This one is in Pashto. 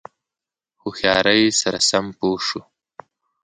هوښیاری سره سم پوه شو.